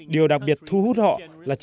điều đặc biệt thu hút họ là chính mình